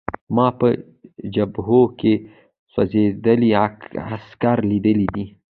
ما په جبهو کې سوځېدلي عسکر لیدلي دي